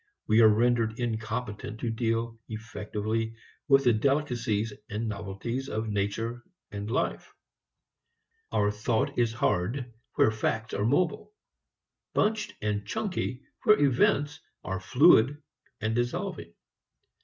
We are rendered incompetent to deal effectively with the delicacies and novelties of nature and life. Our thought is hard where facts are mobile; bunched and chunky where events are fluid, dissolving.